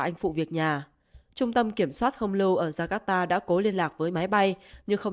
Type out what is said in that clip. anh phụ việc nhà trung tâm kiểm soát không lâu ở jakarta đã cố liên lạc với máy bay nhưng không